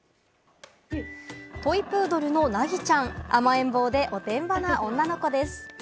トイプードルの凪ちゃん、甘えん坊でおてんばな女の子です。